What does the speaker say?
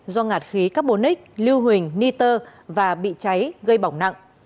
do ngạt khí carbonic lưu huỳnh niter và bị cháy gây bỏng nặng